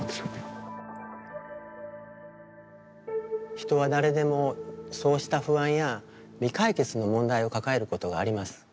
人は誰でもそうした不安や未解決の問題を抱えることがあります。